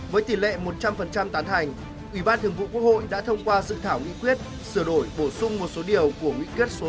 với tỷ lệ một trăm linh tán thành ủy ban thường vụ quốc hội đã thông qua dự thảo nghị quyết sửa đổi bổ sung một số điều của nghị quyết số sáu trăm năm mươi bảy hai nghìn một mươi chín